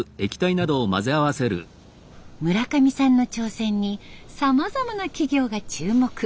村上さんの挑戦にさまざまな企業が注目。